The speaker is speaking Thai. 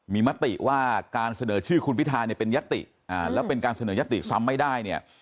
มีมติว่าการเสนอชื่อคุณพิทาเนี่ยเป็นยติแล้วเป็นการเสนอยติซ้ำไม่ได้เนี่ย